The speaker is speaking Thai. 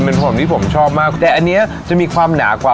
เป็นผมที่ผมชอบมากแต่อันนี้จะมีความหนากว่า